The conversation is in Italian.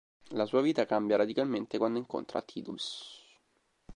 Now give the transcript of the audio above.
La sua vita cambia radicalmente quando incontra Tidus.